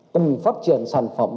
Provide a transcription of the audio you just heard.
cùng phát triển sản phẩm